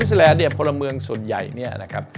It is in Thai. สวิสเตอร์แลนด์พลเมืองส่วนใหญ่